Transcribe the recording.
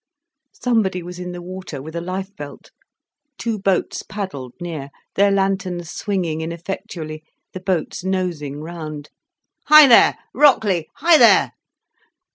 Somebody was in the water, with a life belt. Two boats paddled near, their lanterns swinging ineffectually, the boats nosing round. "Hi there—Rockley!—hi there!"